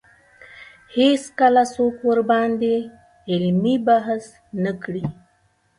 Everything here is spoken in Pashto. هېڅکله څوک ورباندې علمي بحث نه کړي